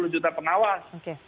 sepuluh juta pengawas